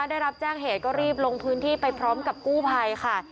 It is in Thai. ได้รับแจ้งเหตุก็รีบลงพื้นที่ไปพร้อมกับกู้ภัยค่ะ